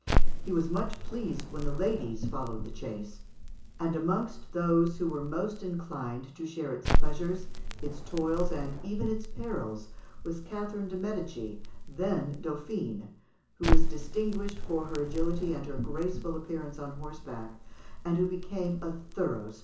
He was much pleased when ladies followed the chase; and amongst those who were most inclined to share its pleasures, its toils, and even its perils, was Catherine de Medicis, then Dauphine, who was distinguished for her agility and her graceful appearance on horseback, and who became a thorough sportswoman.